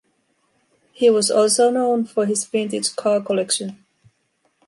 He was also known for his vintage car collection.